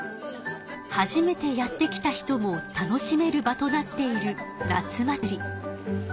初めてやって来た人も楽しめる場となっている夏祭り。